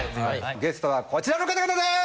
ゲストはこちらの方々です！